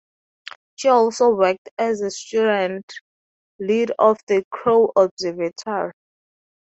She also worked as student lead of the Crow Observatory.